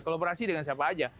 kolaborasi dengan siapa saja